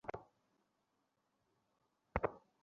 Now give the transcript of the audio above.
বইয়ের সঙ্গে বন্ধুত্ব করলে সারা জীবনের পথচলাটা খুব সহজ হয়ে যায়।